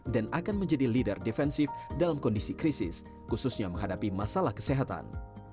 dan akan menjadi leader defensif dalam kondisi krisis khususnya menghadapi masalah kesehatan